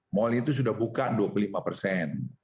mal itu sudah buka dua puluh lima persen